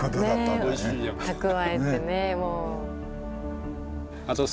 蓄えてねもう。